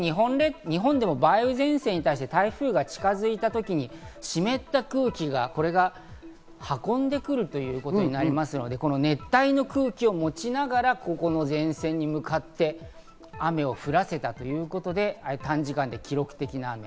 梅雨前線に対して日本でも台風が近づいた時、湿った空気がこれが運んでくるということになりますので、熱帯の空気を持ちながらこの前線に向かって雨を降らせたということで短時間で記録的な雨。